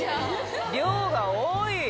量が多い。